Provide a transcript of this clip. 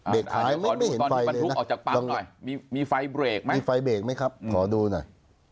เบรกท้ายมันไม่เห็นไฟเลยนะมีไฟเบรกไหมครับขอดูหน่อย